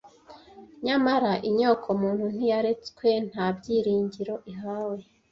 Nyamara inyokomuntu ntiyaretswe nta byiringiro ihawe.